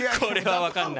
分かんない。